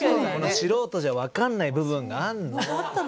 素人じゃ分かんない部分があんの。